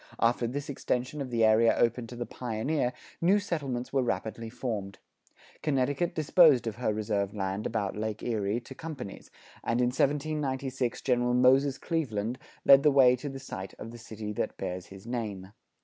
After this extension of the area open to the pioneer, new settlements were rapidly formed. Connecticut disposed of her reserved land about Lake Erie to companies, and in 1796 General Moses Cleaveland led the way to the site of the city that bears his name.